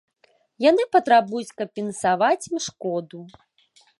Яны патрабуюць кампенсаваць ім шкоду.